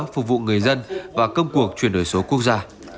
phục vụ người dân và công cuộc chuyển đổi số quốc gia